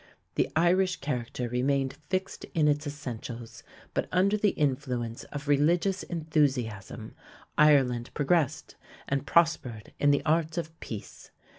The Irish character remained fixed in its essentials, but, under the influence of religious enthusiasm, Ireland progressed and prospered in the arts of peace.